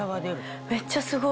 めっちゃすごい！